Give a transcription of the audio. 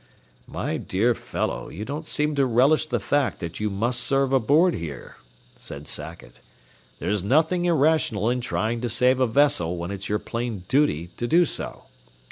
"My dear fellow, you don't seem to relish the fact that you must serve aboard here," said Sackett. "There's nothing irrational in trying to save a vessel when it's your plain duty to do so.